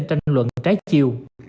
trong luận trái chiều